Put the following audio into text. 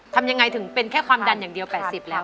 ทำยังไงถึงเป็นแค่ความดันอย่างเดียว๘๐แล้ว